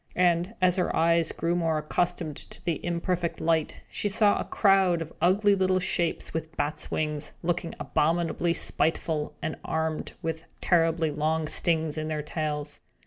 And, as her eyes grew more accustomed to the imperfect light, she saw a crowd of ugly little shapes, with bats' wings, looking abominably spiteful, and armed with terribly long stings in their tails.